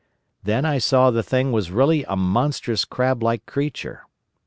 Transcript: Then I saw the thing was really a monstrous crab like creature.